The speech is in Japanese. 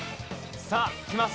さあきます。